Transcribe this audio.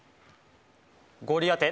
ゴリアテ。